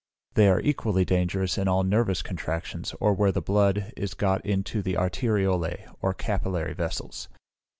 They are equally dangerous in all nervous contractions, or where the blood is got into the arteriolæ, or capillary vessels.